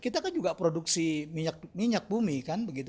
kita kan juga produksi minyak bumi kan begitu